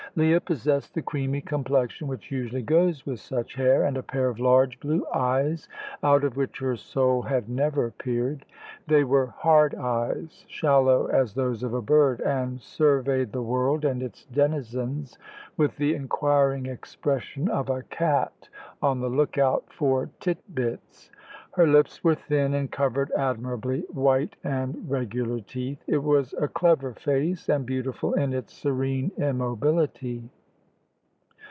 Leah possessed the creamy complexion which usually goes with such hair, and a pair of large blue eyes, out of which her soul had never peered. They were hard eyes, shallow as those of a bird, and surveyed the world and its denizens with the inquiring expression of a cat on the look out for titbits. Her lips were thin, and covered admirably white and regular teeth. It was a clever face, and beautiful in its serene immobility.